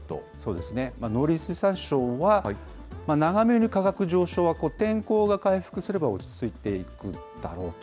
農林水産省は、長雨による価格上昇は、天候が回復すれば落ち着いていくだろうと。